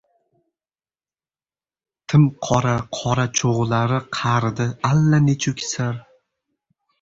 Tim qora qoracho‘g‘lari qa’rida allanechuk sir.